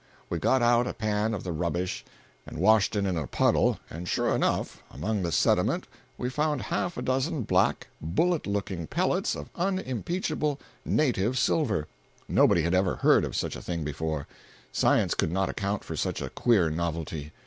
We got out a pan of the rubbish and washed it in a puddle, and sure enough, among the sediment we found half a dozen black, bullet looking pellets of unimpeachable "native" silver. Nobody had ever heard of such a thing before; science could not account for such a queer novelty.